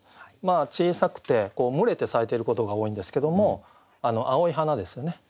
小さくて群れて咲いてることが多いんですけども青い花ですよね。